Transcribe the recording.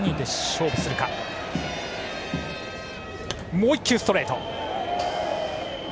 もう１球、ストレート。